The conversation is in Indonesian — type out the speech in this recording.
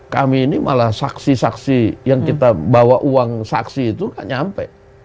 kami ini malah saksi saksi yang kita bawa uang saksi itu gak nyampe